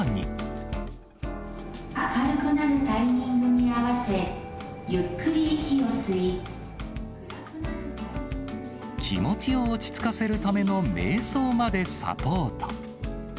明るくなるタイミングに合わ気持ちを落ち着かせるためのめい想までサポート。